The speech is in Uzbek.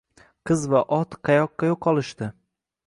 Qiz va ot qayoqqa yo`qolishdi